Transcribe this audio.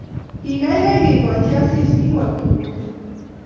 Keikei kekocho Asisi, kiwol Kipokeo